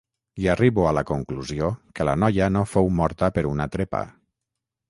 I arribo a la conclusió que la noia no fou morta per una trepa.